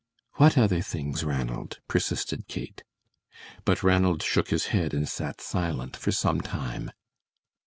"What other things, Ranald," persisted Kate. But Ranald shook his head and sat silent for some time.